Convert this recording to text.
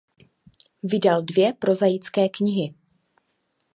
Vydal dvě prozaické knihy.